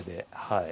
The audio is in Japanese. はい。